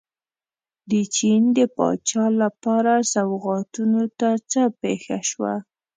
د چین د پاچا لپاره سوغاتونو ته څه پېښه شوه.